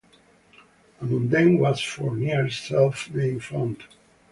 Among them was Fournier's self-named font.